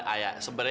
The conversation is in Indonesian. nggak ada masalah